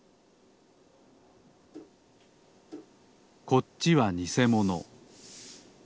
こっちはにせもの。